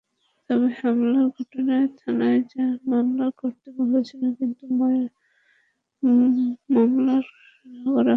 তবে হামলার ঘটনায় থানায় মামলা করতে বলেছিলেন, কিন্তু মামলা করা হয়েছে আদালতে।